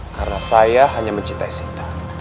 karena saya hanya mencintai sinta